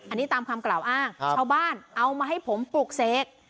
อันนี้ตามคำกล่าวอ้างชาวบ้านเอามาให้ผมปลุกเสก